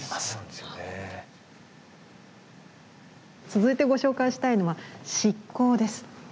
続いてご紹介したいのは漆工です。